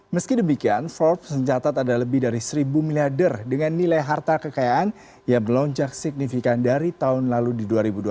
meski demikian forbes mencatat ada lebih dari seribu miliarder dengan nilai harta kekayaan yang melonjak signifikan dari tahun lalu di dua ribu dua puluh